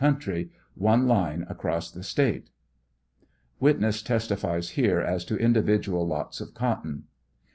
country; one line across the State. (Witness testifies here as to individual lots of cotton.)